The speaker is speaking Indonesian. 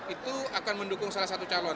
itu akan mendukung salah satu calon